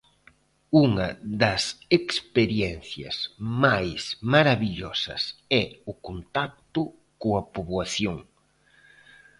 Unha das experiencias máis marabillosas é o contacto coa poboación.